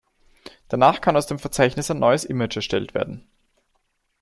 Danach kann aus dem Verzeichnis ein neues Image erstellt werden.